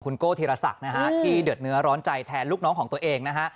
โก้ธีรศักดิ์นะฮะที่เดือดเนื้อร้อนใจแทนลูกน้องของตัวเองนะฮะ